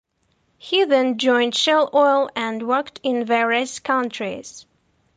He then joined Shell Oil and worked in various countries.